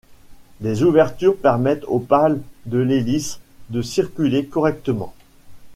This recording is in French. Des ouvertures permettent aux pales de l'hélice de circuler correctement.